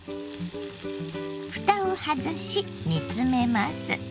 ふたを外し煮詰めます。